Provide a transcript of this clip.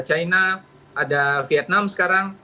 china ada vietnam sekarang